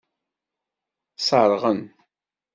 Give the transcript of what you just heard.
Seṛɣen.